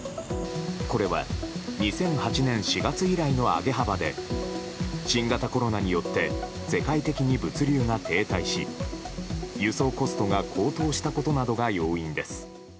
これは２００８年４月以来の上げ幅で新型コロナによって世界的に物流が停滞し輸送コストが高騰したことなどが要因です。